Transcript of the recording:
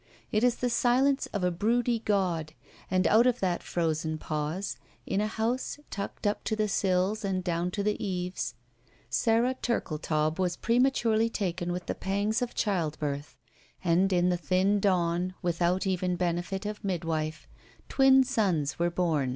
It is the silence of a broody God, and out of that frozen pause, in a house tucked up to the sills and down to the eaves, Sara Turldetaub was pre maturely taken with the pangs of childbirth, and in the thin dawn, without even benefit of midwife, twin sons were bom.